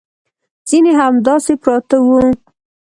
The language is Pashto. ځینې همداسې پراته وو.